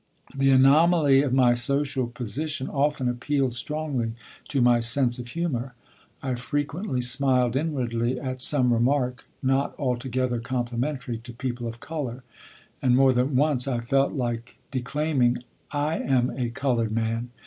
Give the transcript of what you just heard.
The anomaly of my social position often appealed strongly to my sense of humor. I frequently smiled inwardly at some remark not altogether complimentary to people of color; and more than once I felt like declaiming: "I am a colored man.